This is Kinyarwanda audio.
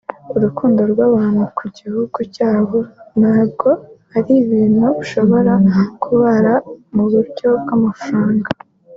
urukundo rw’abantu ku gihugu cyabo ntabwo ari ibintu ushobora kubara mu buryo bw’amafaranga